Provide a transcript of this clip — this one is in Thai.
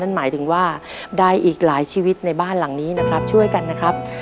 หมายถึงว่าใดอีกหลายชีวิตในบ้านหลังนี้นะครับช่วยกันนะครับ